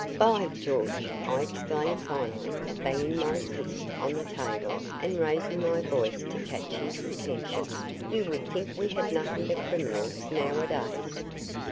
"By George," I exclaimed finally, banging my fist on the table and raising my voice to catch his attention, "you would think we had nothing but criminals nowadays."